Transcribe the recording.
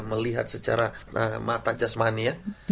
melihat secara mata jasmania